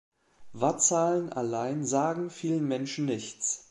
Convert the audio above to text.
Wattzahlen allein sagen vielen Menschen nichts.